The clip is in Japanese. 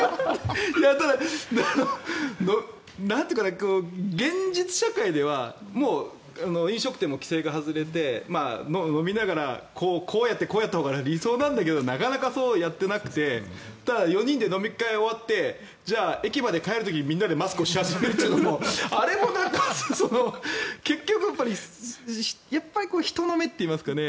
ただ、現実社会では飲食店も規制が外れて飲みながらこうやってこうやったほうが理想なんだけどなかなか、そうやっていなくて４人で飲み会が終わってじゃあ駅まで帰る時にマスクをし始めるというのもあれもなんか結局、人の目といいますかね。